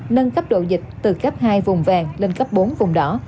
nâng cấp độ dịch từ cấp hai vùng vàng lên cấp bốn vùng đỏ